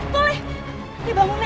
nih bangun nih